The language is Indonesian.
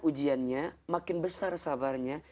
ujiannya makin besar sabarnya